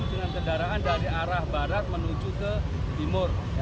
kondisi penyelidikan kendaraan dari arah barat menuju ke timur